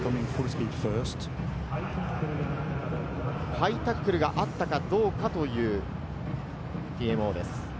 ハイタックルがあったかどうか？というＴＭＯです。